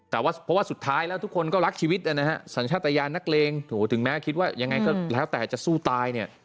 แต่ว่าเพราะว่าสุดท้ายแล้วทุกคนก็รักชีวิตนะฮะสัญชาติยานนักเลงถึงแม้คิดว่ายังไงก็แล้วแต่จะสู้ตายเนี่ย